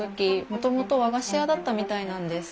もともと和菓子屋だったみたいなんです。